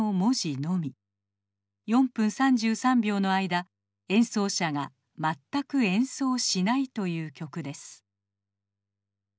４分３３秒の間演奏者が全く演奏をしないという曲です。